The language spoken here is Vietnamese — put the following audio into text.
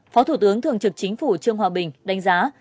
phó thủ tướng thường trực chính phủ trương hòa bình đánh giá